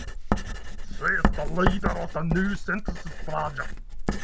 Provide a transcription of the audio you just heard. She is the leader of the New Synthesis Project.